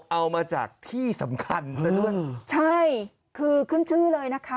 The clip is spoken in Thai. เอามาจากที่สำคัญซะด้วยใช่คือขึ้นชื่อเลยนะคะ